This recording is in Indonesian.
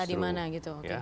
entah di mana gitu